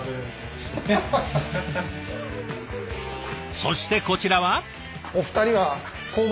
そしてこちらは。